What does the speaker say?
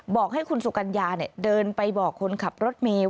บอกให้คุณสุกัญญาเดินไปบอกคนขับรถเมย์